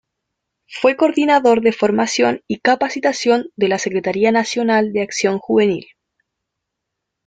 Fue el Coordinador de Formación y Capacitación de la Secretaría Nacional de Acción Juvenil.